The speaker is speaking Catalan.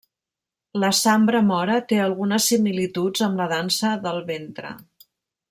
La sambra mora té algunes similituds amb la dansa del ventre.